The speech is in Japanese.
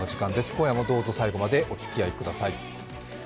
今夜もどうぞ最後までおつきあいください。